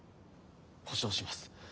保証します。